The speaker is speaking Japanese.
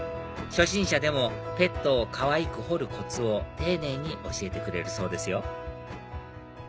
初心者でもペットをかわいく彫るコツを丁寧に教えてくれるそうですよ